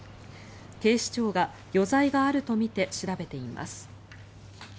警視庁が余罪があるとみて調べています。